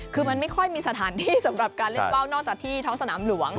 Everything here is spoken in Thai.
คือมันไม่ค่อยมีสถานที่สำหรับสบัดเว้านอกจากที่เท้าสนามหลวง